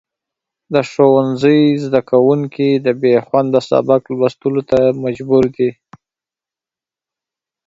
د ښوونځي زدهکوونکي د بېخونده سبق لوستلو ته مجبور دي.